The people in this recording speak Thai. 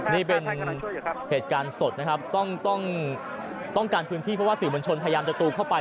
นี่เป็นเหตุการณ์สดนะครับต้องต้องการพื้นที่เพราะว่าสื่อมวลชนพยายามจะตูเข้าไป